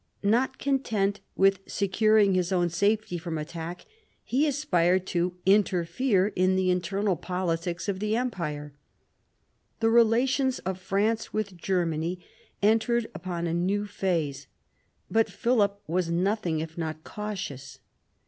Not content with secur ing his own safety from attack, he aspired to interfere in the internal politics of the Empire. The relations of France with Germany entered upon a new phase. But Philip was nothing if not cautious.